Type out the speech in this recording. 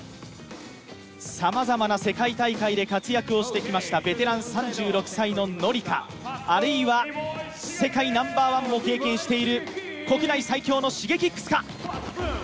さまざまな世界大会で活躍をしてきましたベテラン、３６歳のＮｏｒｉかあるいは、世界ナンバーワンも経験している国内最強のＳｈｉｇｅｋｉｘか。